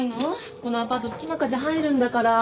このアパート隙間風入るんだから。